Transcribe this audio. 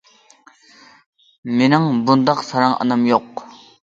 — مېنىڭ بۇنداق ساراڭ ئانام يوق!